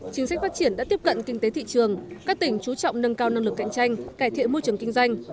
chính sách phát triển đã tiếp cận kinh tế thị trường các tỉnh chú trọng nâng cao năng lực cạnh tranh cải thiện môi trường kinh doanh